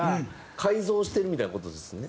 改造してるみたいな事ですね。